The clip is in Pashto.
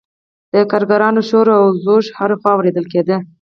د کارګرانو شور او ځوږ هر خوا اوریدل کیده.